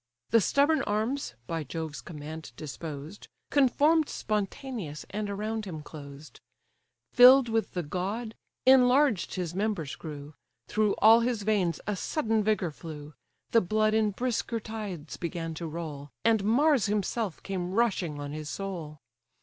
The stubborn arms (by Jove's command disposed) Conform'd spontaneous, and around him closed: Fill'd with the god, enlarged his members grew, Through all his veins a sudden vigour flew, The blood in brisker tides began to roll, And Mars himself came rushing on his soul.